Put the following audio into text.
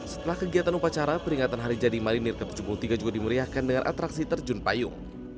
setelah kegiatan upacara peringatan hari jadi marinir ke tujuh puluh tiga juga dimeriahkan dengan atraksi terjun payung